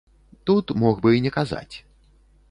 Тут мог бы і не казаць.